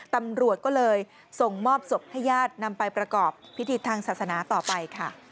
ตำรวจก็เลยส่งมอบศพให้ญาตินำไปประกอบพิธีทางศาสนาต่อไปค่ะ